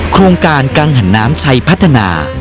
โครงการกังหันน้ำชัยพัฒนา